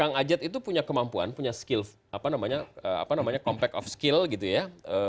kang ajat itu punya kemampuan punya skill apa namanya compact of skill gitu ya